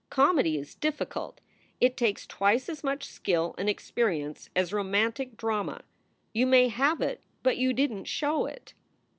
Comedy is difficult. It takes twice as much skill and experi ence as romantic drama. You may have it, but you didn t show it."